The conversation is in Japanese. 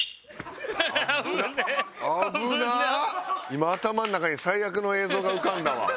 今頭の中に最悪の映像が浮かんだわ。